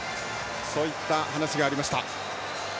そういった話がありました。